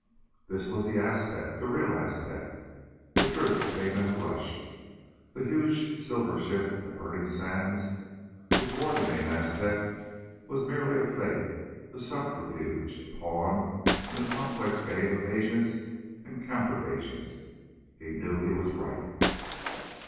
This was the Aztec! The real Aztec! The truth came in a rush. The huge silver ship at Burning Sands, which bore the name Aztec, was merely a fake, a subterfuge, a pawn in the complex game of agents and counter agents. He knew he was right.